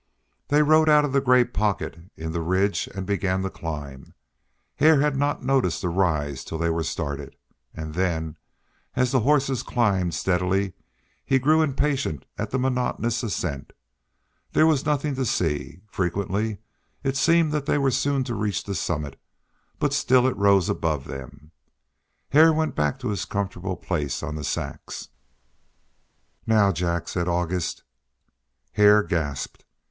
They rode out of the gray pocket in the ridge and began to climb. Hare had not noticed the rise till they were started, and then, as the horses climbed steadily he grew impatient at the monotonous ascent. There was nothing to see; frequently it seemed that they were soon to reach the summit, but still it rose above them. Hare went back to his comfortable place on the sacks. "Now, Jack," said August. Hare gasped.